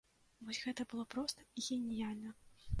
Вось гэта было проста і геніяльна!